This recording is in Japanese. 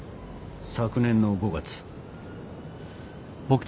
昨年の５月。